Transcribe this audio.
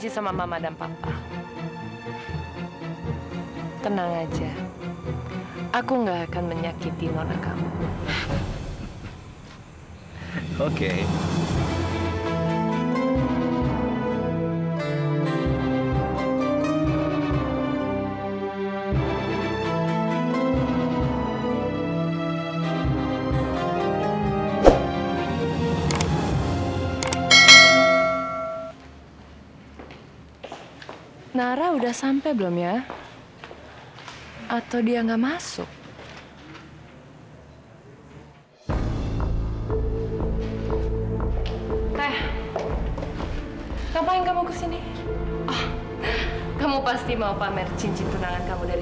sampai jumpa di video selanjutnya